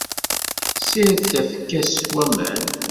Sired tafekka-k s waman.